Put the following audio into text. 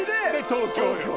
東京よ。